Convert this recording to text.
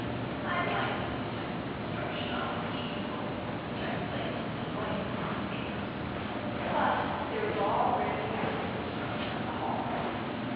I might have suggested instruction on the key bugle, which I play to the annoyance of my neighbors; but there is already a musical instructor at the Hall.